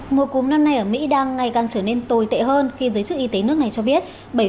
mùa cúm năm nay ở mỹ đang ngày càng trở nên tồi tệ hơn khi giới chức y tế nước này cho biết